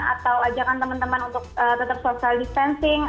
atau ajakan teman teman untuk tetap social distancing